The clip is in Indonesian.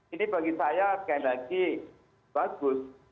ini bagi saya sekali lagi bagus